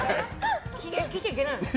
聞いちゃいけないの？